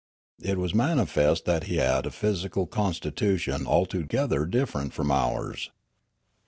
It was manifest that he had a physical constitution altogether different from ours.